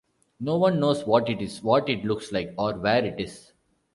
No one knows what it is, what it looks like, or where it is.